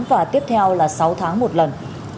và tiếp theo là sáu tháng một lần